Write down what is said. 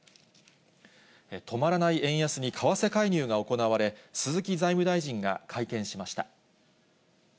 止まらない円安に為替介入が行われ、鈴木財務大臣が会見しました。